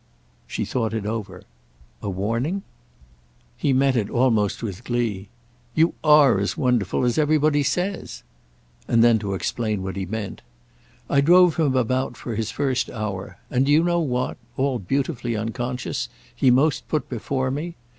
She thought it over. "A warning?" He met it almost with glee. "You are as wonderful as everybody says!" And then to explain all he meant: "I drove him about for his first hour, and do you know what—all beautifully unconscious—he most put before me?